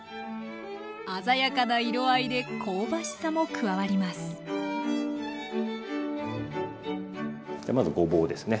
鮮やかな色合いで香ばしさも加わりますじゃあまずごぼうですね。